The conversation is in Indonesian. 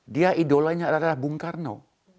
dia idolanya adalah bung karno